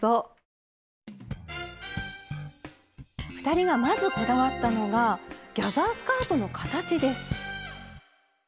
２人がまずこだわったのがギャザースカートの形です。